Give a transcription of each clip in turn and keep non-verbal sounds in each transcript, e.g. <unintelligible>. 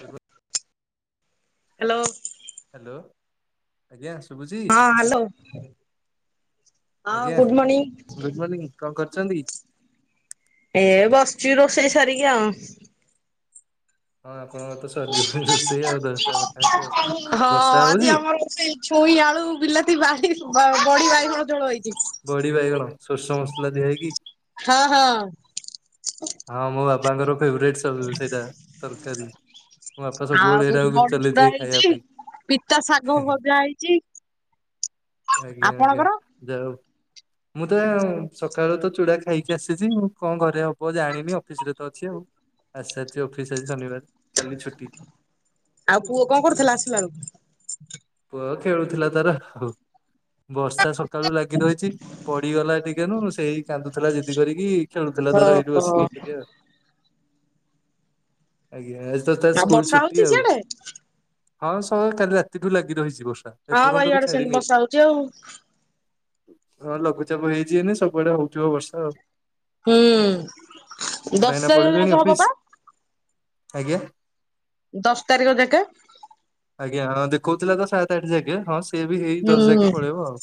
ଗୁଡ଼ମଣ। Hello? Hello ଆଜ୍ଞା ଶୁ ହଁ ହାଲୋ। ଆଜ୍ଞା, ଗୁଡ ମର୍ଣିଂ କଣ କରୁଛନ୍ତି? ଏ ବସିଛି ରୋଷେଇ ସାରିକି ଆଉ। ହଁ। ହଁ ଆଉ ତ ସରି ଜିବଣି ରୋଷେଇ ଆଉ ଦଶଟା ପାଖା ପାଖି ଆଉ ହଁ ବର୍ଷା ଆଜି ହଉଛି? ଆମର ସେଇ ଛୁଇଁ ଆଳୁ ବିଲାତି ବାଡ଼ି ବଡି ବାଇଗଣ ଝୋଳ ହେଇଛି। ବଡି ବାଇଗଣ ସୋରିଷ ମସଲା ଦିଆ ହେଇକି। ହଁ ହଁ। ହଁ ମୋ ବାପାଙ୍କର ଫେବରାଇଟ ସବ ସେଇଟା ତରକାରୀ। ମୋ ବାପା ଆଉ ସବୁବେଳେ ସେଇଟା କୁ ବଡି ଚୁରା ଚଲେଇଥିବେ ଖାଇବା ହେଇଛି। ପାଇଁ। ପିତା ଶାଗ ଭଜା ହେଇଛି। ଆଜ୍ଞା ଆଜ୍ଞା ଆପଣଙ୍କର? ଜାହଉ। ମୁଁ ତ ସକାଳୁ ତ ଚୁଡା ଖାଇକି ଆସିଛି ଉଁ କଣ ଘରେ ହବ। ହବ ଜାଣିନି ଅଫିସ ରେ ତ ଅଛି ଆଉ ଆସି ସାରଛି ଅଫିସ ଆଜି ଶନିବାର। କାଲି ଛୁଟି ଆଉ ପୁଅ କଣ କରୁଥିଲା ଆସିଲା ବେଳକୁ? ପୁଅ ଖେଳୁଥିଲା ତାର ଆଉ ବର୍ଷା ସକାଳୁ ଲାଗି ରହିଛି ପଡିଗଲା ଟି କେନୁ ନୁ ସେଇ କାନ୍ଦୁଥିଲା ଯିଦି କରିକି ଖେଳୁଥିଲା ତାର ଏଇଟି ଓହୋ ବସିକି ଏକୁଟିଆ ଆଉ। ଜ୍ଞା ଅଜୀ ତ ତା ଆଉ ସ୍କୁଲ ବର୍ଷା ହଉଛି ଛୁଟି ଆଉ ସିଆଡେ? ହଁ ସ କାଲି ରାତିଠୁ ଲାଗି ରହିଛି ବର୍ଷା। ହଁ ବା ଏପର୍ଯ୍ୟନ୍ତ ବି ଇଆଡେ ସେମିତି ଛାଡିନି। ବର୍ଷା ହଉଛି ଆଉ। ହଁ ଲଘୁଚାପ ହେଇଛି ଏଇନେ ସବୁଆଡେ ହଉଥିବ ବର୍ଷା ଆଉ। ହୁଁ ଭାଇନା ଦଶ ତାରିଖ ପଳେଇଲେଣି ଯାଙ୍କେ ହବ ଅଫିସ ପା। ଆଜ୍ଞା। ଦଶ ତାରିଖ ଜାକେ। ଆଜ୍ଞା ହଁ ଦେଖଉଥିଲା ତ ସାତ ଆଠ ଜାକେ ହଁ ସିଏ ବି ସେଇ ଦଶ ହୁଁ। ଜାକେ ପଳେଇବ ଆଉ।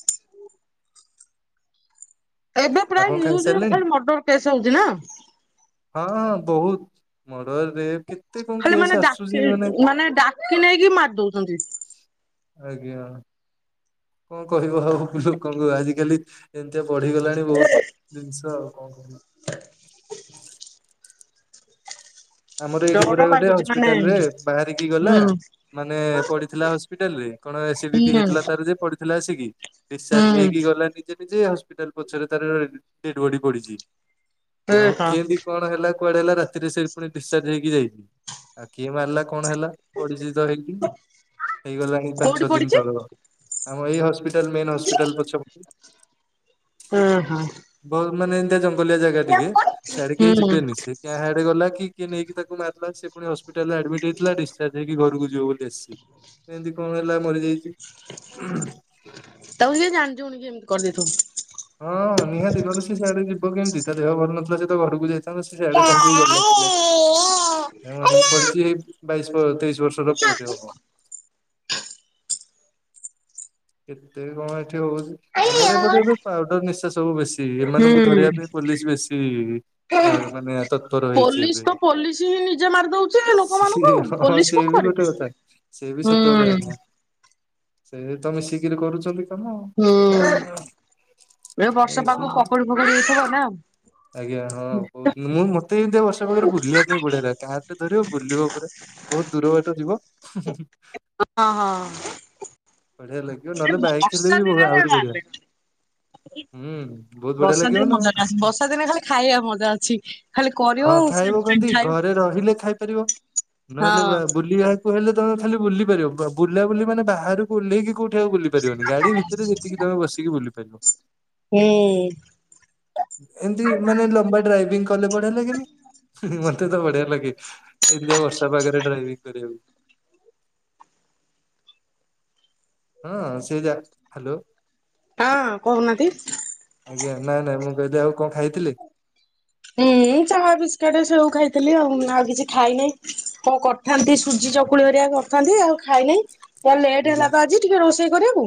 ଏବେ ପ୍ରାୟ ଆପଣ ନିୟୁଜ ରେ ଖାଇସାରିଲେଣି ଖାଲି ମର୍ଡର କେସ୍ ହଉଛି ନା ହଁ ବହୁତ, ମଡର ରେଫେ କି ଖାଲି ମାନେ ଡାକି ମାନେ ଡାକି ନେଇକି ମାରି ଦଉଛନ୍ତି। ଆଜ୍ଞା। କଣ କହିବ ଆଉ ଲୋକଙ୍କୁ ଆଜିିକାଲି ଏମିତିଆ ବଢିଗଲାଣି ବହୁତ ଜିନିଷ ଷ ଆଉ କଣ କରିବ? ଆମର ଏଇଠି ଡର ପୁରା ଗୋଟେ ଲାଗୁଛି ମାନେ ହସ୍ପିଟାଲ ରେ ବାହାରିକି ହୁଁ ହୁଁ ଗଲା ମାନେ ପଡିଥିଲା ହସ୍ପିଟାଲ ରେ କଣ ହୁଁ ଏସିଡିଟି ହେଇଥିଲା ତାର ଯେ ପଡିଥିଲା ଆସିକି ଡିସିଚାର୍ଜ ହେଇକି ଗଲା ନିଜେ ନିଜେ ହସ୍ପିଟାଲ ପଛରେ ତାର ଡେଡ ବଡି ପଡିଛି। ହଁ କେମିତି କଣ ହେଲା କୁଆଡେ ହେଲା ରାତିରେ ସେ ପୁଣି ଡିସଚାର୍ଜ ହେଇକି ଯାଇଛି ଆଉ କିଏ ମାରିଲା କଣ ହେଲା ପରିଚିତ ହେଇକି ହେଇଗଲାଣି ପାଞ୍ଚ କୋଉଠି ଛଅ ଦିନ ପଡିଛି ତଳର। ଆମ ଏଇ ହସ୍ପିଟାଲ ମେନ୍ ହସ୍ପିଟାଲ ପଛପଟେ। ଏ ହଁ। ମାନେ ଏମତିଆ ଜଙ୍ଗଲଆ ଜାଗା ହୁଁ ଟିକେ ସିଆଡେ କେହି ଯିବେନି ସେ କାହାଆଡେ ଗଲା କି କିଏ ନେଇକି ତାକୁ ମାରିଦେଲା। ପୁଣି ହସ୍ପିଟାଲରେ ଆଡମିଟ ହେଇଥିଲା ଡିସଚାର୍ଜ ହେଇକି ଘରକୁ ଯିବ ବୋଲି ଆସି ଏମତି କଣ ହେଲା? ମରିଯାଇଛି। ତାକୁ କିଏ ଜାଣି ଶୁଣି କି ଏମିତି କରିଦେଇଥିବ। ହଁ ନିହାତି ଗଲ ସେ ସିଆଡେ ଯିବ କେମିତି ତା ଦେହ ଭଲ ନଥିଲା ସେ ତ ଘରକୁ ଯାଇଥିଲା। ସିଆଡେ କଣ ପାଇଁ ଗଲେ କେଜାଣି ଏଇ ବାଇଶ ତେଇଶି ବର୍ଷରେ ପୁଅ ଟେ ହବ। କେତେ କଣ ଏଠି ହଉଛି ଆମର ଏପଟେ ଏବେ ପାଉଡର ନିଶା ସବଙ ହବୁ ବେଶୀ ଏମାନଙ୍କୁ ଧରିବା ପାଇଁ ପୋଲିସ ବେଶୀ ଆ ମାନେ ତତ୍ପର ହେଇଛି ପୋଲିସ ଏବେ ତ ହଁ ପୋଲିସ ହିଁ ନିଜେ ମାରି ଦଉଛି ଲୋକମାନଙ୍କୁ ସିଏ ପୋଲିସ କଣ ସେ ବି କରିବେ। ଗୋଟେ କଥା ସେ ବି ହୁଁ ସତ କଥା ଆଜ୍ଞା। <inaudible> ସେ ତମ ମିଶିକରି କରୁଛନ୍ତି କାମ ହୁଁ। ଆଉ। ଏ ବର୍ଷା ପାଗ ପକୁଡି ଫକୁଡି ହେଇଥିବ ନା? ଆଜ୍ଞା ହଁ କହୁଥିଲିନି ମୁଁ ମତେ ଏତେ ଏମିତିଆ ବର୍ଷା ପାଖରେ ବୁଲିବା ପାଇଁ ପଡେଇଲା କାହାରରେ ଧରିବ ବୁଲିବା ପରେ ବହୁତ ଦୂର ବାଟ ଯିବ। ହଁ ହଁ। ବଢିଆ ଲାଗିବ ନହେଲେ ବାଇକି ହେଲେ ବର୍ଷା ବି ଦିନରେ ଆହୁରି ବଢିଆ ହୁଁ। ବହୁତ ବଢିଆ ବର୍ଷା ଲାଗିବ ଦିନ ନା ମଜା ନାହିଁ ବର୍ଷା ଦିନେ ଖାଲି ଖାଇବା ମଜା ଅଛି ଖାଲି ହଁ କରିବ ଖାଇବ ସେ କେମିତି ଖାଇବୁ। ଘରେ ରହିଲେ ଖାଇପାରିବ। ନହେଲେ ବୁଲିବାକୁ ହେଲେ ତମେ ଖାଲି ବୁଲି ପାରିବ ବୁଲାବୁଲି ମାନେ ବାହାରକୁ ଓହ୍ଲେଇ କି କଉଠି ସେଠି ବୁଲି ପାରିବନି ଗାଡି ଭିତରେ ଯେତିକି ତମେ ବସିକି ବୁଲି ପାରିବ। ହୁଁ। ଏମତି ମାନେ ଲମ୍ବା ଡ୍ରାଇଭିଂ କଲେ ବଢିଆ ଲାଗେନି। ମତେ ତ ବଢିଆ ଲାଗେ ଏମତିଆ ବର୍ଷା ପାାଗରେ ଡ୍ରାଇଭିଂ କରିବାକୁ। <inaudible> ହଁ ସିଏଜା ହାଲୋ। ହଁ କହୁନାହାନ୍ତି। ବଦ ଆଉ କଣ ଖାଇଥିଲେ? ହୁଁ ଚାହା, ବିସ୍କିଟ ସେଓ ଖାଇଥିଲି ଆଉ ଆଉ କିଛି ଖାଇନାହିି କଣ କରିଥାନ୍ତି ସୁଜି ଚକୁଳି ହରିଆ କରିଥାନ୍ତି ଆଉ ଖାଇ ନାହିଁ। ତା ଲେଟ୍ ଆଜ୍ଞା ହେଲା ତ ଆଜି ଟିକେ ରୋଷେଇ କରିବାକୁ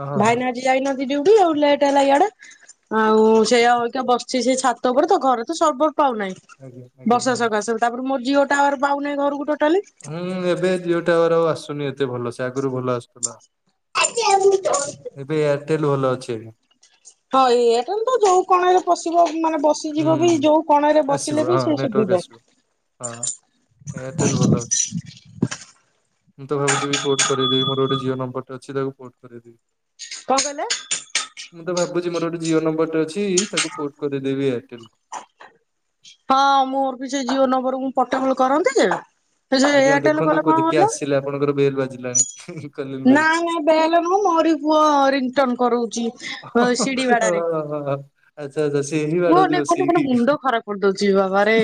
ଅ ହଁ ହଁ। ଭାଇନା ଆଜି ଯାଇନାହାନ୍ତି ଉଠ ଆଉ ଲେଟ ହେଲା ଇଆଡେ ଆଉ ସେ ଆଉ ବସିଛି ସେ ଛାତ ଉପରେ ତ ଘରେ ତ ସର୍ବ ପାଉନାହିଁ ଆଜ୍ଞା ଆଜ୍ଞା ବର୍ଷା ହଁ ସକାଶେ ତାପରେ ମୋର ଝିଅ ଟା ଆ ପାଉନାହିଁ ଘରକୁ ଟୋଟାଲି। ହଁ ଏବେ ଜିଓ ଟାୱାର ଆଉ ଆସୁନି ଏତେ ଭଲ ସେ ଆଗରୁ ଭଲ ଆସୁଥିଲା। <inaudible> ଏବେ ଏୟାରଟେଲ ଭଲ ଅଛି ଆଜ୍ଞା। ହଁ ଏୟାରଟେଲଟା ତ ଯୋଉ କଣରେ ପଶିଲେ ମାନେ ହୁଁ ବସିଯିବ ବି ଯୋଉ କଣରେ ଆସିବ ବସିଲେ ବି ହଁ ସେ ନେଟୱାର୍କ ଶୁଭିବ। ଆସିବ ହଁ ଏୟାରଟେଲ ଭଲ ଅଛି। ମୁଁ ତ ଭାବୁଛି ବି ପୋଟ କରେଇଦେବି, ମୋର ଗୋଟେ ଜିଓ ନମ୍ବରଟା ଅଛି ତାକୁ ପୋଟ କରେଇଦେବି। କଣ କହିଲେ? ଭାବୁଛି ମୋର ଗୋଟେ ଜିଓ ନମ୍ବର ଟେ ଅଛି, ତାକୁ ପୋଟ କରିଦେବି ଏୟାରଟେଲକୁ। ହଁ ମୋର ବି ସେ ଜିଓ ନମ୍ବରକୁ ମୁଁ ପୋର୍ଟଏବଲ କରନ୍ତି ଯେ ସେ ଯୋଉ ଆଜ୍ଞା ଏୟାରଟେଲ କଲେ ଦେଖନ୍ତୁ କଣ ବୋଧେ କିଏ କହିଲ ଆସିଲେ, ଆପଣଙ୍କର ବେଲ ବାଜିଲାଣି। Calling bell. ନାଇଁ ନାଇଁ ବେଲ ନୁହଁ ମୋରି ପୁଅ ରିଂଟୋନ କରଉ ଛି ସିଡି ବାଡ଼ାରେ, ଆଚ୍ଛା ଆଚ୍ଛା ସେ ହିଁ ବାଡଉଚି କୁହନି କୁହନି ଖାଲି ବସିକି। ମୁଣ୍ଡ ଖରାପ କରିଦଉ ଚି ବାବାରେ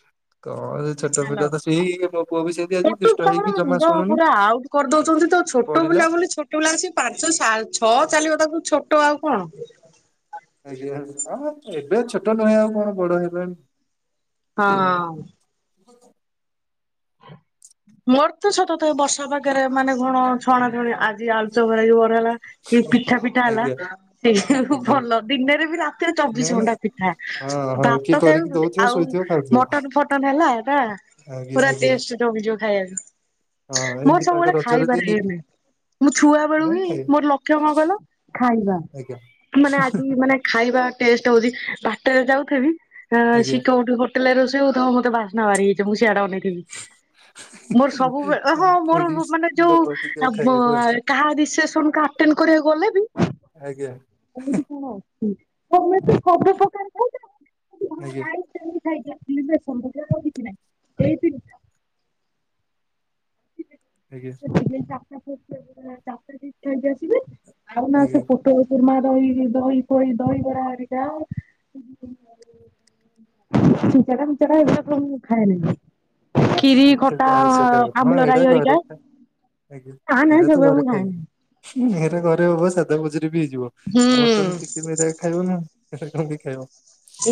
ହ କଣ ସେ ଛୋଟ ହ୍ୟାଲୋ। ପିଲା ତ ସେଇ, ହେଇ ମୋ ପୁଅ ବି ସେମିତି ଆଜି ଛୋଟ ଦୁଷ୍ଟ ପିଲାମାନେ ହେଇକି ଜମା ମୁଣ୍ଡ ଶୁଣୁନି। ପୁରା ଆଉଟ୍ କରିଦଉଛନ୍ତି ତ ଛୋଟ ପଢିଲା ପିଲା ବୋଲି ଛୋଟ ପିଲା ଆସି, ପାଞ୍ଚ ଛଅ ଚାଲିବ ତାକୁ ଛୋଟ ଆଉ କଣ? ଆଜ୍ଞା, ଆଉ ଏବେ ଛୋଟ ନୁହେଁ ଆଉ କଣ ବଡ ହେଲେଣି? ହଁ। ମୋର ତ ସତ କଥା ଏ ବର୍ଷା ପାଗରେ ମାନେ ଘଣ ଛଣା ଛଣି ଆଗ ଆଜି ଆଲୁଚପ କି ବରା ହେଲା। କି ପିଠା ପିଠା ହେଲା, ଆଜ୍ଞା ସେଇ ଆଜ୍ଞା ଭଲ ଦିନରେ ବି ରାତିରେ ଚବିଶ ନାଇଁ ଘଣ୍ଟା ନାଇଁ ପିଠା। ହଁ ହଁ କିଏ ଭାତ କରିକି ଖାଇବ ଦଉଥିବ ଆଉ ଶୋଇଥିବ ଖାଉଥିବ। ମଟନ ଫଟନ ହେଲା, ନା ଆଜ୍ଞା ପୁରା ଆଜ୍ଞା ଟେଷ୍ଟ କମିଯିବ ଖାଇବାକୁ, ହଁ ମୋର ଏମିତି ପାଗ ସବୁବେଳେ ରଜରେ ଦିଏନି ଖାଇବାରେ। କି <unintelligible> ମୁଁ ଛୁଆ ବେଳୁ ନା ହିଁ, ଖାଏ ମୋର ଲକ୍ଷ୍ୟ କଣ କହିଲ ଖାଇବା। ଆଜ୍ଞା ମାନେ ଆଜି ମାନେ ଖାଇବା ଟେଷ୍ଟ ହଉଛି, ବାଟରେ ଯାଉଥେବିି। ସେ ଆଜ୍ଞା। କୋଉଠି ହୋଟେ ହୋଟେଲରେ ରୋଷେଇ ହଉଥିବ, ମତେ ବାସ୍ନା ବାରି ହୋଇଯିବ ମୁଁ ସିଆଡେ ଅନେଇଥିବି। ମୋର ସବୁବେଳେ, ଆଉ ହଁ ମୋର ଥୋଡିସ୍ ମାନେ ଯୋଉ ଲୋଭ ଟିକେ ବ ଖାଇବାକୁ ଆଉ କାହା ରିଶେପସନ ଆଟେଣ୍ଡ କରିବାକୁ ଗଲେ ବି‌। ଆଜ୍ଞା <unintelligible> କେମିତି ସବୁ ପ୍ରକାର ଆଜ୍ଞା ଖାଇ <unintelligible> <unintelligible> ଆଜ୍ଞା। <unintelligible> ସେ ଆଜ୍ଞା। ପୋଟଳ କୁରୁମା ଦହିରେ <unintelligible> ଦହି ପ ଦହିବରା ହେରିକା ଆଉ। ଖିରି, ଖଟା ଆଚ୍ଛା ଆଇଁଷ ଖାଇବାକୁ ହଁ, ଏଇଟା ଆମ୍ବୁଲରାଇ ଘରେ ହରିକା ଖାଏ, ଆଞା ନା ନା ଏଇରା ତ ସେଗୁରା ମୁଁ ଘରେ ଖାଇବି ଖାଏନି। ମୁଁ। ଘରେ ଘରେ ହବ ସାଧା ଭୋଜିରେ ବି ହେଇଯିବ, ଆଉ ମଟନ୍ ହୁଁ ଚିକେନ ଏରା ଖାଇବ ନା ଆଉ। ସେ କଣ ବି ଖାଇବ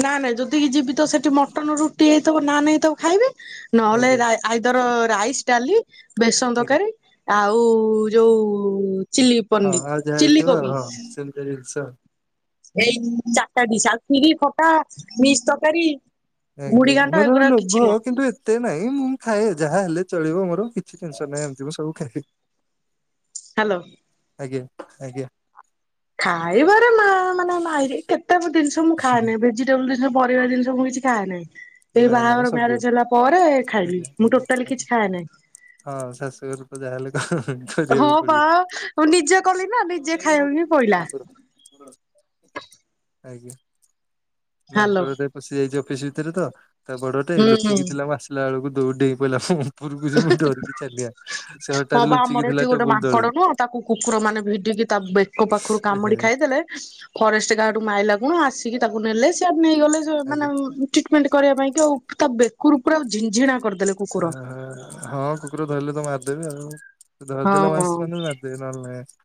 ନାଇଁ ନାଇଁ ଯଦି କିି ଯିବି ତ, ସେଠି ମଟନ ରୁଟି ହେଇଥିବ ନାନ୍ ହେଇଥିବ ଖାଇବି। ନହେଲେ ଆଜ୍ଞା ଆଇଦର ରାଇସ, ଡାଲି, ବେସନ ଆଜ୍ଞା। ତରକାରୀ ଆଉ ଯୋଉ ଚିଲି ହଁ ଆଉ ପନିର, ଯାହା ଚିଲି ହେଇଥିବ କୋବି ହଁ ସେମିତିଆ ଜିନିଷ। ଏଇ ଚାରିଟା ଡିସ ଆଉ ଖିରି, ଖଟା, ମିକ୍ସ୍ ତରକାରୀ ମୁଢି ଆଜ୍ଞା ଘାଣ୍ଟ ମୋର ଏଗୁରା କିଛି ଲୋଭ, ନୁହଁ। କିନ୍ତୁ ଏତେ ନାଇଁ ମୁଁ ଖାଏ ଯାହା ହେଲେ ଚଳିବ ମୋର। କିଛି ଟେନସନ୍ ନାହିଁ, ଏମିତି ମୁଁ ସବୁ ଖାଇଦେବି। ହ୍ୟାଲୋ। ଆଜ୍ଞା ଆଜ୍ଞା। ଖାଇବାରେ ମା ମାନେ ମାହିର, କେତେ ଜିନିଷ ମୁଁ ଖାଆଇନି ଭେଜିଟେବୁଲ ସେ ପରିବା ଜିନିଷ ମୁଁ କିଛି ଖାଏ ନାହିଁ। ଏଇ ନା ନା ମୁଁ ବାହାଘର ସବୁ ମ୍ୟାରେଜ ହେଲା ପରେ ଖାଇଲି, ଆଜ୍ଞା ମୁଁ ଆଜ୍ଞା ଟୋଟାଲି ଆଜ୍ଞା। କିଛି ଖାଏ ନାହିଁ। ହଁ, ଶାଶୁଘର ତ ଯାହା ହେଲେ ହଁ ବା ମୁଁ ନିଜେ କଲି ନା, ନିଜେ ଖାଇବାକୁ ହିଁ ପଇଲା। <inaudible> ଆଜ୍ଞା ହାଲୋ ମାଙ୍କଡଟେ ପଶି ଯାଇଛି ଅଫିସ ଭିତରେ ତ। ତା ବଡଟେ ହୁଁ ହୁଁ। ଲୁଚିକି ଥିଲା, ମୁଁ ଆସିଲା ବେଳକୁ ଦୌଡ଼ିକି ପଳେଇଲା ଉପରକୁ ଯେ ମୁଁ ଡରିକି ଛାନିଆ, ସେ ହଁ ହଠାତ୍ ବା ଆମର ଲୁଚିକି ଏଠି ଥିଲା ଟେବୁଲ ତଳେ। ଇଏ ତା ବେକ ପାଖରୁ ଏହେ କାମୁଡି ଖାଇଦେଲେ, ଫରେଷ୍ଟ ଗାର୍ଡ ମାଇଲା ଗୁଣ ଆସିକି ତାକୁ ନେଲେ ସଆ ନେଇଗଲେ ମାନେ ଆଜ୍ଞା ଟ୍ରିଟମେଣ୍ଟ କରିବା ପାଇଁ। ଆଉ ତା ବେ କୁରୁ କୁରା ଝିଝିଣା କରିଦେଲେ, କୁକୁର ହଁ କୁକୁର ଧରିଲେ ତ ମାରିଦେବି ଆଉ। ଧରିଦେଲେ ମାଂସ ହଁ। ମାନେ ବି ମାରିଦେବେ ନହେଲେ ନାହିଁ।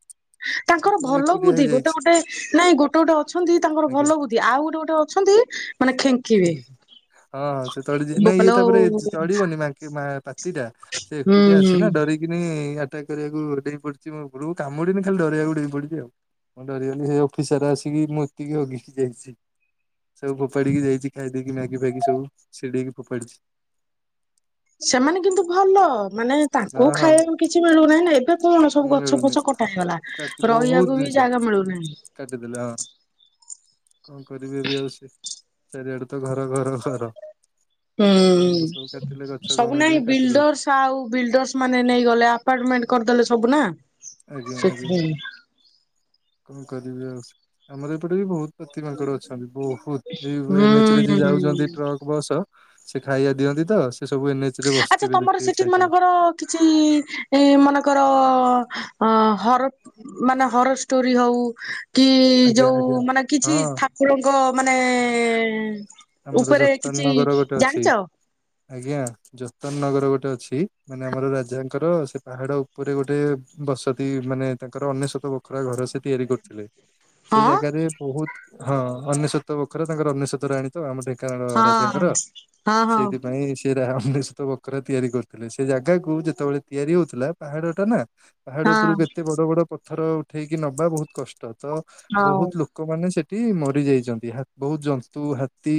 ତାଙ୍କର ସେ ଭଲ ଏକୁଟିଆ ବୁଦ୍ଧି ଗୋଟେ ହେଇଯାଇଛି ଗୋଟେ ନାଇଁ ଗୋଟେ ଗୋଟେ ଅଛନ୍ତି ତାଙ୍କର ଆଜ୍ଞା। ଭଲ ବୁଦ୍ଧି ଆଉ ଗୋଟେ ଗୋଟେ ଅଛନ୍ତି, ମାନେ ଖେଙ୍କିବେ। ହଁଁ, ସେତେବେଳେ ଯି ନାଇଁ ଇଏ ବୋପାଲୋ ତାପରେ ହୁଁ ତଡିବନି ମାଙ୍କି ମା ପାତି ଟା ସେ ଏକୁଟିଆ ଅଛି ନା ହୁଁ ଡରିକିନି ଆ ତା କରିବାକୁ ଡେଇ ପଡିଛି ମୋରୁ କାମୁଡିନି ଖାଲି ଡରେଇବାକୁ ଡେଇଁ ପଡିଛି ଆଉ। ମୁଁ ଡରିଗନି, ସେଇ ଅଫିସର ଆସିକି ମୁତିକି ହଗିକି ଯାଇଛି। ସବୁ ଫୋପାଡିକି ଯାଇଛି ଖାଇ ଦେଇକି ମ୍ୟାଗି ଫ୍ୟାଗି ସବୁ ଚିଡ଼େଇକି ଫୋପାଡିଛି। ସେମାନେ କିନ୍ତୁ ଭଲ ମାନେ ହଁ ତାଙ୍କୁ ହଁ ଖାଇବାକୁ କିଛି ମିଳୁନାହିଁ ନା ଏବେ କଣ ସବୁ ଗଛ ମିଳୁନି ଫଛ କଟା ହେଇଗଲା ହଁ ରହିବାକୁ ବି ଜାଗା ମିଳୁନାହିଁ। ଲ କଣ କରିବି ଏ ବି ଆଉ ସେ ଚାରିଆଡେ ତ ଘର, ଘର, ଘର, ହୁଁ ସବୁ କାଟିଲେ ଗଛ ସବୁ ଗଭର୍ଣ୍ଣମେଣ୍ଟ ନାଇଁ ବି କାଟି ଦଉଛି ବିଲଡର୍ସ ଆଉ ବିଲଡର୍ସ ମାନେ ନେଇଗଲେ ଆପାର୍ଟମେଣ୍ଟ କରିଦେଲେ ସବୁ ନା। ଆଜ୍ଞା ଆଜ୍ଞା ସେଥିପାଇଁ କଣ କରିବି ଆଉ ଆମର ଏପଟେ ବି ବହୁତ ପତି ମାଙ୍କଡ ଅଛନ୍ତି ବହୁତ ଏଇ ଏନ୍ ଏଚ ରେ ଯେ ହୁଁ। ଯାଉଛନ୍ତି ଟ୍ରକ୍ ବସ ସେ ଖାଇବା ଦିଅନ୍ତି ତ ସବୁ ଏନ୍ଏଚ ରେ ଆଚ୍ଛା ବସିଥିବେ ତମର ଦେଖିବେ ସେଠି ଛାଇ ତଳେ ମାନେକର କିଛି ଏ ମନେକର ତ ଅ ହର ମାନେ ହର ଷ୍ଟୋରି ହଉ କି ଆଜ୍ଞା ଯୋଉ ଆଜ୍ଞା ମାନେ କିଛି ହଁ ଠାକୁରଙ୍କ ମାନେ ଆମର ଉପରେ ଯତନ କିଛି ନଗର ଗୋଟେ ଅଛି ଜାଣିଛ? ଆଜ୍ଞା ଯୋତନ ନଗର ଗୋଟେ ଅଛି ମାନେ ଆମର ରାଜାଙ୍କର ସେ ପାହାଡ ଉପରେ ଗୋଟେ ବସତି ମାନେ ତାଙ୍କର ଅନ୍ୟେଶ୍ୱତ ବୋଖରା ଘର ସେ ତିଆରି କରୁଥିଲେ ସେ ହଁ ଜାଗାରେ ବହୁତ ହଁ ଅନେଶ୍ୱତ ବଖରା ତାଙ୍କର ଅନେଶତ ରାଣି କାରଣ ହଁ ରାଜାଙ୍କର ହଁ ହଁ ସେଇଥିପାଇଁ ସେ ଡିସ୍କୋ ବଖରା ତିଆରି କରୁଥିଲେ ସେ ଜାଗାକୁ ଯେତେବେଳେ ତିଆରି ହଉଥିଲା ପାହାଡଟା ନା ପାହାଡ ହଁ ଉପରକୁ ଏତେ ବଡ ବଡ ପଥର ଉଠେଇକି ନବା ବହୁତ କଷ୍ଟ ତ ହଉ ବହୁତ ଲୋକମାନେ ସେଠି ମରି ଯାଇଛନ୍ତି ହା ବହୁତ ଜନ୍ତୁ ହା ତି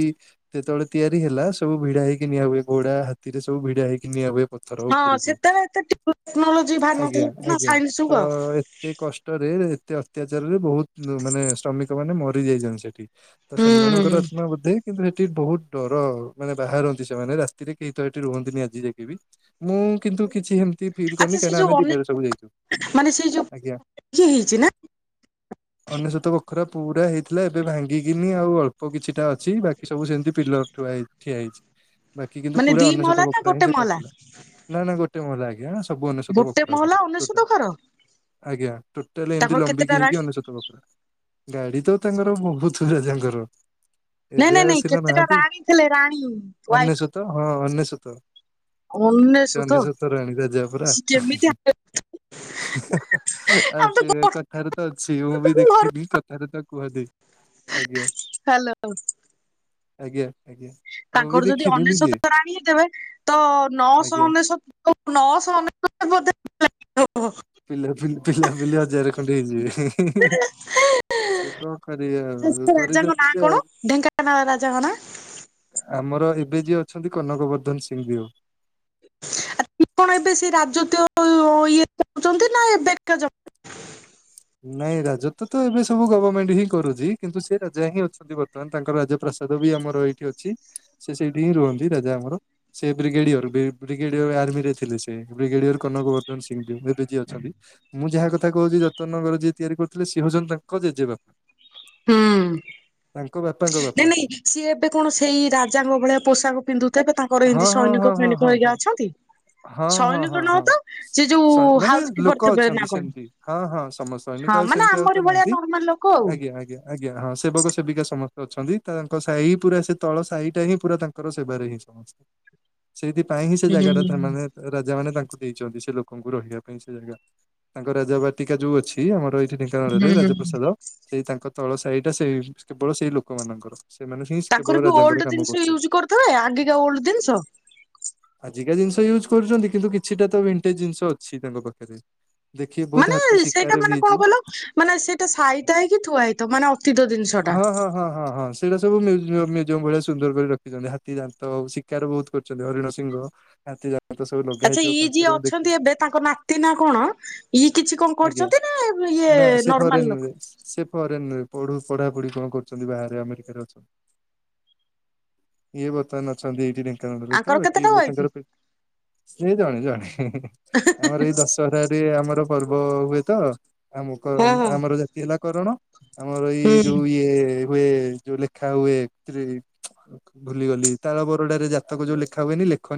ସେତେବେଳେ ତିଆରି ହେଲା ସବୁ ଭିଡା ହେଇକି ନିଆ ହୁଏ ଘୋଡା ହାତୀରେ ସବୁ ଭିଡା ହେଇକି ନିଆ ହୁଏ। ପଥର ହଁ ଉପରକୁ ସେତେବେଳେ ଏତେ ଟେକ୍ନୋଲୋଜି ବାହାରି ଆଜ୍ଞା ନଥିଲା ନା ଆଜ୍ଞା ସାଇନ୍ସ ତ ଯୁଗ ଏତେ କଷ୍ଟରେ ତ ଅତ୍ୟାଚାରରେ ବହୁତ ମାନେ ଶ୍ରମିକ ମାନେ ମରି ଯାଇଛନ୍ତି ସେଠି ତ ହୁଁ ସେମାନଙ୍କରତ୍ମ କିନ୍ତୁ ସେଠି ବହୁତ ଡର ମାନେ ବାହାରନ୍ତି ସେମାନେ ରାତିରେ କେହି ତ ସେଠି ରୁହନ୍ତିନି ଆଜି ଯାଇକ ବି ମୁଁ ମୁଁ କିନ୍ତୁ କିଛି ହେ ତି ଫିଲ୍ କରନି ଆଚ୍ଛା ସେ କାହିଁକିନା ଯୋଉ ଆମେ ଅନେ ଦିନରେ ସବୁ ଯାଇଛୁ ମାନେ ସେଇ ଯୋଉ ଆଜ୍ଞା ଇଏ ହେଇଛି ନା ଅନେଶତ ବଖରା ପୁରା ହେଇଥିଲା ଏବେ ଭାଙ୍ଗିକିନି ଆଉ ଅଳ୍ପ କିଛିଟା ଅଛି ଛି ବାକି ସବୁ ସେମିତି ପିଲର ଥୁଆ ହେଇଛି ଠିଆ ହେଇଛି ବାକି କିନ୍ତୁ ମାନେ ପୁରା ଦି ମହଲା ଅନିେଶ୍ୱତ ନା ବଖରା ହିଁ ଗୋଟେ ସେ ମହଲା କରିଥିଲା ନା ନା ଗୋଟେ ମୋଲା ଆଜ୍ଞା ସବୁ ଅନେଶତ ଗୋଟେ ବଖରା ମହଲା ପୁଣି ଅନେଶତ ଟୋଟାଲ ଘର ଆଜ୍ଞା ଟୋଟାଲି ଏମିତି ତାଙ୍କର କେତେଟା ଲମ୍ବିକି ରାଣୀ? ହେଇକି ଅନେଶତ ବଖରା ଗାଡି ତ ତାଙ୍କର ବହୁତ ରାଜାଙ୍କର ନାଇଁ ଏବେ ନାଇଁ ଆଉ ନାଇଁ ସିନା କେତେଟା ନାହାନ୍ତି ରାଣୀ ଥିଲେ ରାଣୀ ୱାଇଫ ଅନେସତ ହଁ ଅନେଶ ସେ ଅନେଶତ ଅନେଶତରେ ରାଣି ତା ଯା ପୁରା ସିଏ କେମିତି ଆମେ ଆଉ ତ ସେ ଗୋଟେ କଥାରେ ତ ଅଛି ମୁଁ ବି ଘର ଦେଖିନି କଥାରେ ତ କୁହନ୍ତିି ଆଜ୍ଞା। ଥୁ ଆଜ୍ଞା ଆଜ୍ଞା ମୁଁ ବି ତାଙ୍କର ଯଦି ଦେଖିନି ନିଜେ ଅନେଶତ ରାଣୀ ହେଇଥବେ ତ ନଅଶହ ଆଜ୍ଞା ଅନେଶତ ନଅଶହ ଅନେଶ ତ ବୋଧେ ହଉହ ପିଲା ପିଲି ପିଲା ପିଲି ହଜରେ ଖନ୍ଡେ ହେଇଯିବେ। <inaudible> <unintelligible> ସେ କଣ କରିବେ ଆଉ ସେ ରାଜାଙ୍କ ନାଁ କରିଦେଇଥିଲେ କଣ ଆଉ ଢେଙ୍କାନାଳ ରାଜାଙ୍କ ନାଁ। ଆମର ଏବେ ଯିଏ ଅଛନ୍ତି କନକ ବର୍ଦ୍ଧନ ସିଂହ ଦଓ। <inaudible> ଆପଣ ଏବେ ସେ ରାଜତ୍ଵ <unintelligible> ଇଏରେ ଯାଉଛନ୍ତି ନା ଏବେକାର ଯାଉଛନ୍ତି। ନାଇଁ ରାଜତ୍ୱ ତ ଏବେ ସବୁ ଗଭର୍ଣ୍ଣମେଣ୍ଟ ହିଁ କରୁଛି କିନ୍ତୁ ସେ ରାଜା ହିଁ ଅଛନ୍ତି ବର୍ତ୍ତମାନ ତାଙ୍କର ରାଜ୍ୟ ପ୍ରସାଦ୍। <unintelligible> ଆମର ଏଠି ଅଛି ସେ ସେଇଠି ହିଁ ରୁହନ୍ତି ରାଜା ଆମର ସେ ବ୍ରିଗେଡିୟରି ବିଗ୍ ବ୍ରିଗେଡିୟର <unintelligible> <unintelligible> ଆର୍ମି ରେ ଥିଲେ ସେ ବିଗେଡିୟର କନକବର୍ଦ୍ଧନ ସିଂଦେଓ ଏବେ ଯିଏ ଅଛନ୍ତି ମୁଁ ଯାହା କଥା କହୁଛି ଯଦ୍ ଯିଏ ତିଆରି କରିଥିଲେ ସି ହଉଚନ୍ତି ତାଙ୍କ ଜେଜେବାପା। ହୁଁ। ତାଙ୍କ ବାପାଙ୍କ ନାଇଁ ବାପା ନାଇଁ ସିଏ ଏବେ କଣ ସେଇ ରାଜାଙ୍କ ଭଳିଆ ପୋଷାକ ପିନ୍ଧୁଥିବେ ତାଙ୍କର ହଁ ଏମିତି ହଁ ସୈନ୍ ହଁ ତାଙ୍କ ହଁ ହଁ ହଁ <unintelligible> ଅଛନ୍ତି ହଁ ହଁ ସୈନିକ ହଁ ନୁହଁ ହଁ ତ ସେ ଯୋଉ ସନ୍ ମାନେ ହାଉସ କିପର ଲୋକ ଥିବେ ନା ଅଛନ୍ତି କଣ? ସେମିତି ହଁ ହଁ ସମତ୍ ସୈନିକ ହଁ ଆଉ ମାନେ ସେମିତି ଆଉ ତ ଆମରି ଭଳିଆ ନାହାନ୍ତି ନର୍ମାଲ ଲୋକ ଆଉ ହୁଁ ଆଜ୍ଞା। ଆଜ୍ଞା ଆଜ୍ଞା ହଁ ସେବକ ସେବିକା ସମସ୍ତେ ଅଛନ୍ତି ତାଙ୍କ ସାହି ପୁରା ସେ ତଳ ସାହି ଟା ହିଁ ପୁରା ତାଙ୍କର ସେବା ହଁ ସମେ ସେଇଥିପାଇଁ ହିଁ ସେ ଜାଗା ଟା ମାନେ ରାଜା ମାନେ ତାଙ୍କୁ ଦେଇଛନ୍ତି ସେ ଲୋକଙ୍କୁ ରହିବା ପାଇଁ ସେ ଜାଗା ତାଙ୍କ ରାଜା ବାଟିକା ଯୋଉ ଅଛି ଆମର ଏ ଢେଙ୍କାନାଳରେ ହୁଁ। ରାଜପ୍ରସାଦ ସେଇ ତାଙ୍କ ତଳ ସାହି ଟା ସେଇ କେବଳ ସେଇ ଲୋକମାନଙ୍କର। ସେମାନେ ହିଁ <unintelligible> ତାଙ୍କର କେବଳ ବି ଓଲ୍ଡ ରାଜାଙ୍କର କାମ ଜିନିଷ କରୁଛନ୍ତି ୟୁଜ କରୁଥିବେ ଆଗିକା ଓଲ୍ଡ ଜିନିଷ ଆଜି ଏ ଜିନିଷ ୟୁଜ କରୁଛନ୍ତି କିନ୍ତୁ କିଛିଟା ତ ଭେଣ୍ଟେଜ ଜିନିଷ ଅଛି ତାଙ୍କ ପାଖରେ ଦେଖି ବହୁତ ମାନେ ହାତୀ ଶକ୍ ସେଇଟା ମାନେ କଣ କଲ ମାନେ ସେଇଟା ସାଇତା ହେଇକି ଥୁଆ ହେଇଥବ ମାନେ ଅତୀତ ଜିନିଷ ଟା। ସେଇଡା ସବୁ ମିଉଜିୟମ ଭଳିଆ ସୁନ୍ଦର କରି ରଖିଛନ୍ତି ହାତୀ ଦାନ୍ତ ଶିକାର ବହୁତ କରୁଛନ୍ତି ହରିଣ ସିଂହ ହାତି ଦାନ୍ତ ସବୁ ଲଗା ଆଚ୍ଛା ହେଇଥିବ ଇଏ କାନ୍ଥରେ ଯିଏ ମୁଁ ଦେଖେ ଅଛନ୍ତି ଏବେ ତାଙ୍କ ନାତି ନା କଣ ଇଏ କିଛି କଣ କରୁ ଆଜ୍ଞା। ଅଛନ୍ତି ନା ଇଏ ନା ସେ ନର୍ମାଲ ଫରେନରେ ଲୋକ <unintelligible> ପଢାପଢି କଣ କରୁଛନ୍ତି ବାହାରେ ଆମେରିକରେ ଅଛନ୍ତି ଇଏ ବର୍ତ୍ତମାନ ଅଛନ୍ତି ଏଇଠି ଢେଙ୍କାନାଳ ରେ ଏକା ଆଙ୍କର ବାକି କେତେଟା ୱାଇଫ? ତାଙ୍କର <unintelligible> ଏ ଜଣେ ଜଣେ ଆମର ଏଇ ଦଶହରାରେରେ ଆମର ପର୍ବ ହୁଏ ତ ଆମ ହଁ ହଁ ଆମର ଜାତି ହେଲା କରଣ ଆମର ଏଇ ହୁଁ। ଯୋଉ ଇଏ ହୁଏ ଯୋଉ ଲେଖା ହୁଏ <unintelligible> ଭୁଲିଗଲି ତାଳ ବରଡାରେ ଜାତକ ଯୋଉ ଲେଖା ହୁଏନି ଲେଖନି